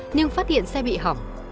nhưng phát hiện xe bị hỏng